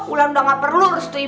ulan udah gak perlu urus tuh ibu